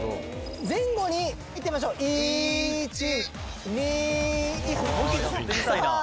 「前後にいってみましょう」「１２３」